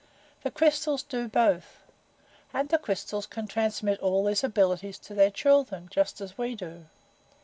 The crystals do both. And the crystals can transmit all these abilities to their children, just as we do.